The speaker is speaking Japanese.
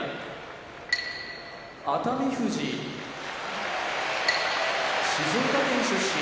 熱海富士静岡県出身